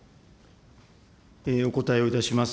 お答えをいたします。